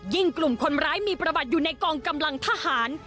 กลุ่มคนร้ายมีประวัติอยู่ในกองกำลังทหาร